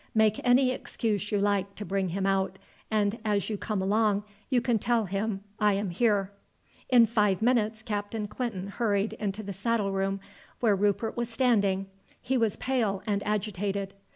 Make any excuse you like to bring him out, and as you come along you can tell him I am here." In five minutes Captain Clinton hurried into the saddle room, where Rupert was standing. He was pale and agitated.